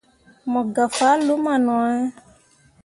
Mo gah fah luma no ne.